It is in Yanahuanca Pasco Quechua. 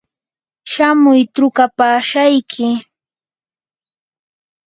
shamuy trukapashayki.